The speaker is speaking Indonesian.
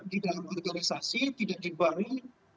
di dalam organisasi tidak dibarengi